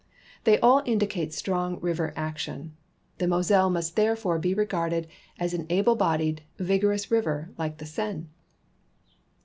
They all indicate strong river action. The Moselle must therefore be regarded as an able bodied, vigorous river, like the Seine.